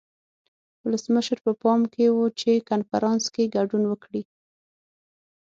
ولسمشر په پام کې و چې کنفرانس کې ګډون وکړي.